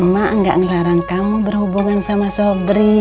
mak nggak ngelarang kamu berhubungan sama sobri